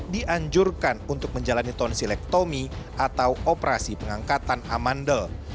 dianjurkan untuk menjalani tonsilektomi atau operasi pengangkatan amandel